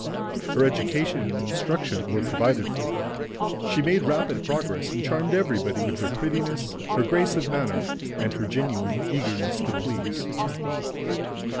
Her education and instruction were provided for. She made rapid progress and charmed everybody with her prettiness, her grace of manner and her genuine eagerness to please.